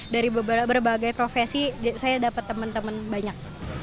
dari berbagai profesi saya dapat temen temen banyak